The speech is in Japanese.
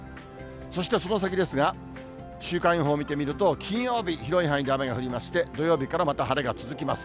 そしてその先ですが、週間予報見てみると、金曜日、広い範囲で雨が降りまして、土曜日からまた晴れが続きます。